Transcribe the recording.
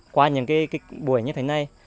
qua những buổi như thế này